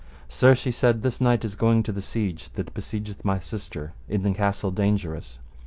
Sir, she said, this knight is going to the siege that besiegeth my sister in the Castle Dangerous.